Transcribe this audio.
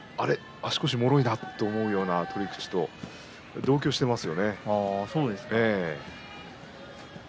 足腰がもろいなとそういう取り口と同居しています。